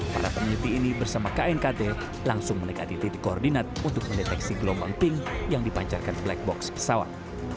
para peneliti ini bersama knkt langsung mendekati titik koordinat untuk mendeteksi gelombang pink yang dipancarkan black box pesawat